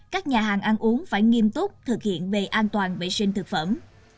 các nhà hàng ăn uống phải nghiêm túc thực hiện về an toàn vệ sinh thực phẩm